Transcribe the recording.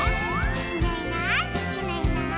「いないいないいないいない」